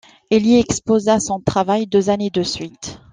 Il y exposa son travail deux années de suite.